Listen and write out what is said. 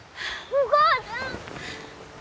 お母ちゃん！